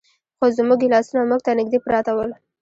خو زموږ ګیلاسونه موږ ته نږدې پراته ول.